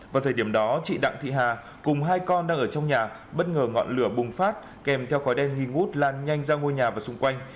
vào thời điểm đó chị đặng thị hà cùng hai con đang ở trong nhà bất ngờ ngọn lửa bùng phát kèm theo khói đen nghi ngút lan nhanh ra ngôi nhà và xung quanh